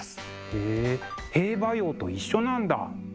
へえ「兵馬俑」と一緒なんだ。